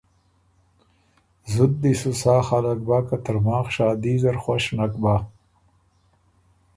زُت دی سُو سا خلق بۀ که ترماخ شادي زر خوش نک بَۀ